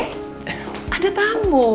eh ada tamu